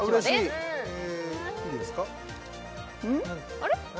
・あれ？